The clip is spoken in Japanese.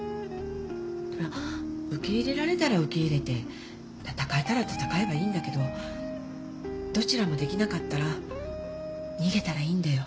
そりゃ受け入れられたら受け入れて戦えたら戦えばいいんだけどどちらもできなかったら逃げたらいいんだよ。